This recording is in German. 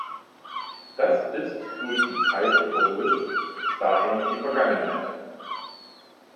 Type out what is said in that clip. Das ist durch die Zeit überholt, daher die Vergangenheit.